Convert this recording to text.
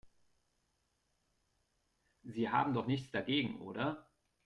Sie haben doch nichts dagegen, oder?